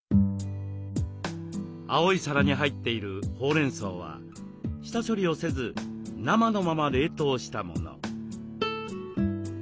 青い皿に入っているほうれんそうは下処理をせず生のまま冷凍したもの。